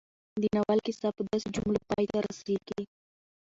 د ناول کيسه په داسې جملو پای ته رسېږي